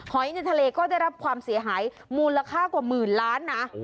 หอยในทะเลก็ได้รับความเสียหายมูลค่ากว่าหมื่นล้านนะ